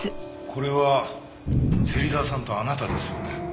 これは芹沢さんとあなたですよね？